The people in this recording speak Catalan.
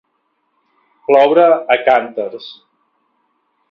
Ploure a cànters.